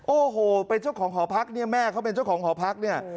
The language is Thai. โอ้โหเป็นเจ้าของหอพักเนี่ยแม่เขาเป็นเจ้าของหอพักเนี่ย